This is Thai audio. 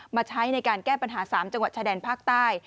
มาใช้ในการแก้ปัญหา๓จังหวัดชายแดนภาคใต้